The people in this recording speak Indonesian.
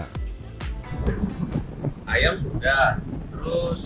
serta dibungkus dengan tortilla atau roti pita